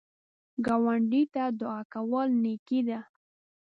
ګاونډي ته دعا کول نیکی ده